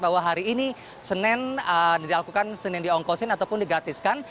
bahwa hari ini senin diangkutkan senin diongkosin ataupun digatiskan